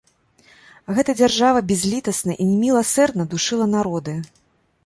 Гэта дзяржава бязлітасна і неміласэрна душыла народы.